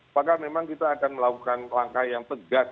apakah memang kita akan melakukan langkah yang tegas